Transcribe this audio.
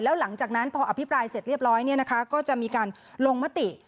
แล้วหลังจากนั้นพออภิปรายเสร็จเรียบร้อยก็จะมีการลงมติ